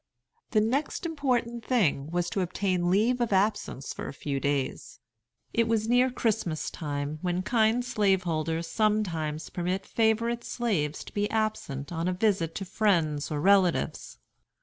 The next important thing was to obtain leave of absence for a few days. It was near Christmas time, when kind slaveholders sometimes permit favorite slaves to be absent on a visit to friends or relatives.